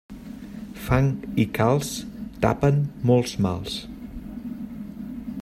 Fang i calç tapen molts mals.